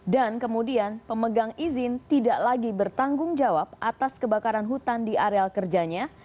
dan kemudian pemegang izin tidak lagi bertanggung jawab atas kebakaran hutan di areal kerjanya